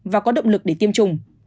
và có động lực để tiêm chủng